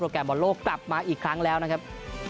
แกรมบอลโลกกลับมาอีกครั้งแล้วนะครับ